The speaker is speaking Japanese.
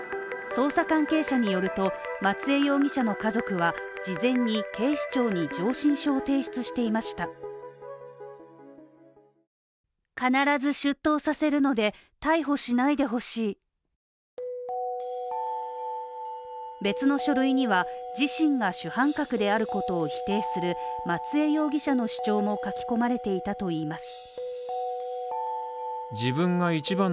捜査関係者によると、松江容疑者の家族は事前に警視庁に上申書を提出していました別の書類には自身が主犯格であることを否定する松江容疑者の主張も書き込まれていたといいます。